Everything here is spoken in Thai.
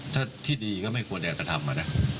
ถ้าที่ดีก็ไม่ควรยังจะทำ